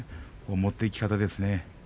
持っていき方ですね。